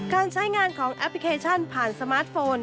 การใช้งานของแอปพลิเคชันผ่านสมาร์ทโฟน